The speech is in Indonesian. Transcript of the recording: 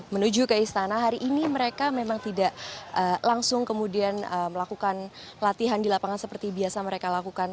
menuju ke istana hari ini mereka memang tidak langsung kemudian melakukan latihan di lapangan seperti biasa mereka lakukan